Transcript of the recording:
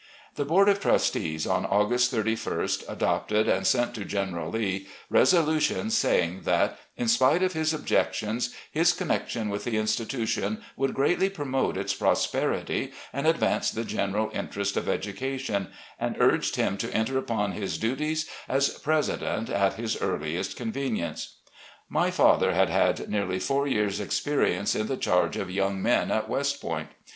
The board of trustees, on August 31st, adopted and sent to General Lee resolutions saying that, in spite of his objections, "his connection with the institution would greatly promote its prosperity and advance the general interest of education, and urged him to enter upon his duties as president at his earliest con venience." My father had had nearly four years' experience in the charge of young men at West Point.